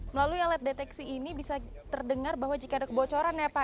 melalui alat deteksi ini bisa terdengar bahwa jika ada kebocoran ya pak